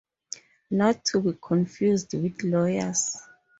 Not to be confused with lawyers.